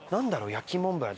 焼きモンブラン。